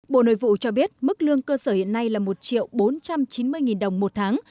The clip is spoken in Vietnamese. bộ nội vụ cho biết mức lương cơ sở hiện nay là một bốn trăm chín mươi đồng một tháng